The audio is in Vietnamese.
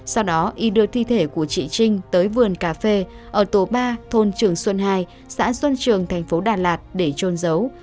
sau đó y đưa thi thể của chị trinh tới vườn cà phê ở tổ ba thôn trường xuân hai xã xuân trường thành phố đà lạt để trôn giấu